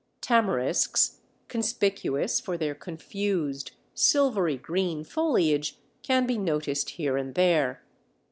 Tamarisks, conspicuous for their confused, silvery green foliage, can be noticed here and there.